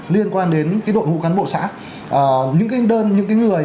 liên quan đến cái đội ngũ cán bộ xã những cái đơn những cái người